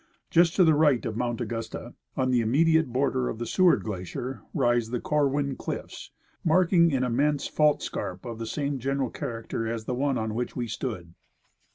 Just to the right of Mount Augusta, on the immediate border of the ScAA^ard glacier, rise the Corwin cliffs, marking an immense fault scarp of the same general character as the one on Avhich we stood.